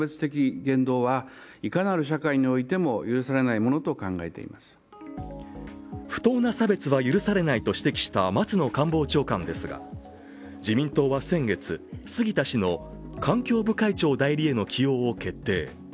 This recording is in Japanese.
一方、松野官房長官は不当な差別は許されないと指摘した松野官房長官ですが自民党は先月、杉田氏の環境部会長代理への起用を決定。